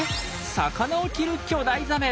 魚を着る巨大ザメ！